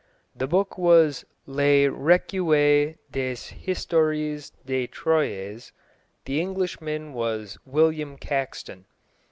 The book was Le Recueil des Histoires de Troyes, the Englishman was William Caxton.